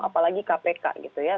apalagi kpk gitu ya